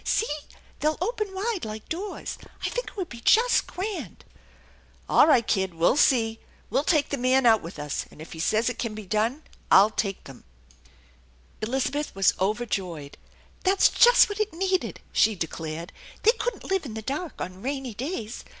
See, they'll open wide like doors. I think it would be just grand !" "All right, kid, we'll see ! We'll take the man out with Us; and, if he says it can be done, I'll take them."" 88 THE ENCHANTED BARN Elizabeth was overjoyed. "That's just what it needed!" she declared "They couldn't live in the dark on rainy days.